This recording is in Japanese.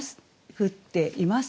「降っています」。